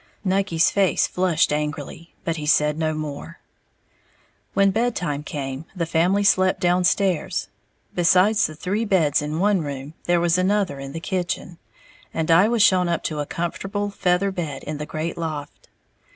Nucky's face flushed angrily; but he said no more. When bed time came, the family slept downstairs besides the three beds in one room, there was another in the kitchen and I was shown up to a comfortable feather bed in the great loft.